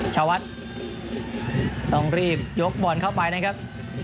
ชาวัดต้องรีบยกบอลเข้าไปนะครับ